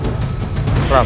ketua ger prabu